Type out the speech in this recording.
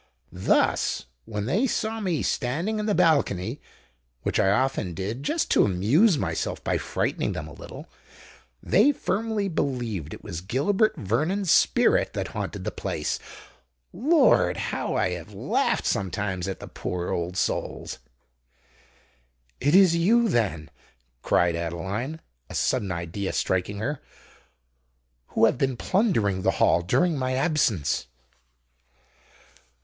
Thus, when they saw me standing in the balcony—which I often did just to amuse myself by frightening them a little—they firmly believed it was Gilbert Vernon's spirit that haunted the place. Lord! how I have laughed sometimes at the poor old souls!" "It is you, then," cried Adeline, a sudden idea striking her, "who have been plundering the Hall during my absence?"